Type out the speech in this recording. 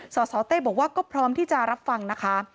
สสเต้บอกว่าก็พร้อมที่จะรับฟังนะคะ